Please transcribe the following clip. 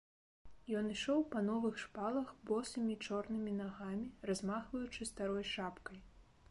Ён ішоў па новых шпалах босымі чорнымі нагамі, размахваючы старой шапкай.